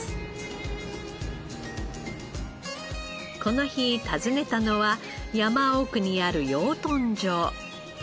この日訪ねたのは山奥にある養豚場。